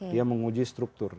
dia menguji struktur